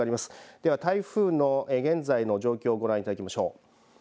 では台風の現在の状況をご覧いただきましょう。